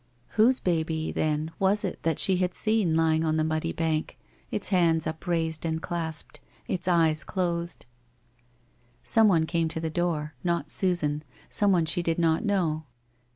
Whose baby, then, was it that she had seen lying on the muddy bank, its hands upraised and clasped, its eyes closed? ... Someone came to the door, not Susan, someone she did not know.